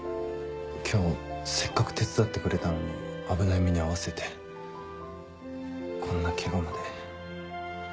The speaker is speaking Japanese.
今日せっかく手伝ってくれたのに危ない目に遭わせてこんなケガまで。